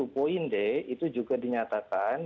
sepuluh poin d itu juga dinyatakan